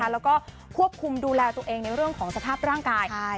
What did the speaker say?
และก็ควบคุมดูแลตัวเองในสภาพร่างกาย